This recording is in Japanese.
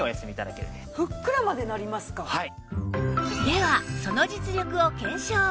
ではその実力を検証